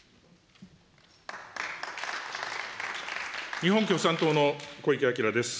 日本共産党の小池晃です。